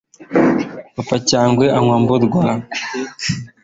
Bimaze kuba cumi numwe Igihe kirageze ko wari mu buriri